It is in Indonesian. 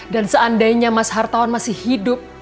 dan seandainya mas hartawan masih hidup